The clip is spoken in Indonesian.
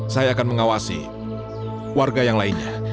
saya akan mengawasi warga yang lainnya